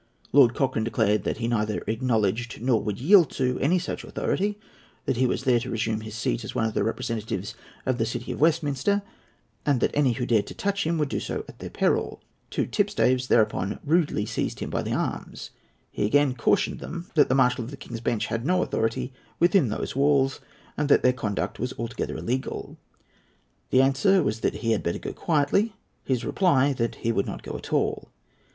Lord Cochrane declared that he neither acknowledged, nor would yield to, any such authority, that he was there to resume his seat as one of the representatives of the City of Westminster, and that any who dared to touch him would do so at their peril. Two tipstaves thereupon rudely seized him by the arms. He again cautioned them that the Marshal of the King's Bench had no authority within those walls, and that their conduct was altogether illegal. The answer was that he had better go quietly; his reply that he would not go at all.